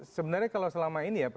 sebenarnya kalau selama ini ya